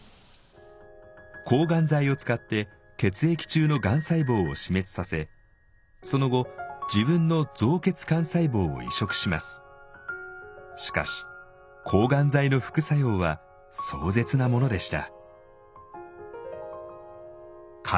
抗がん剤を使って血液中のがん細胞を死滅させその後自分のしかし抗がん剤の副作用は壮絶なものでした。